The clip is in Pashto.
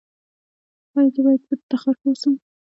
ایا زه باید په تخار کې اوسم؟